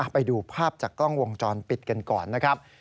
ไปดูภาพจากกล้องวงจรปิดกันก่อนนะครับ